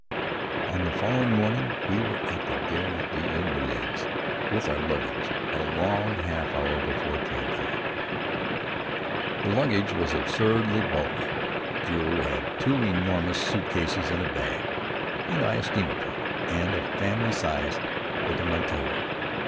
On the following morning, we were at the Gare des Invalides with our luggage, a long half hour before train time. The luggage was absurdly bulky. Drew had two enormous suitcases and a bag, and I a steamer trunk and a family size portmanteau.